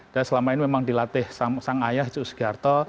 dan selama ini memang dilatih sang ayah icuk sudiarto